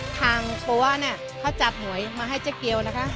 ทางโง่าก็จับหมวยมาให้เจ๊เกียวนะคะ